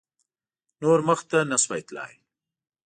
نور مخته نه شوای تللای.